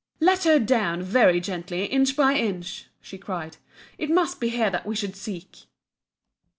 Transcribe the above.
"Let her down very gently inch by inch!" she cried; "It must be here that we should seek!"